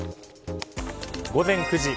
午前９時。